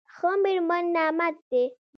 ښه مېرمن نعمت دی.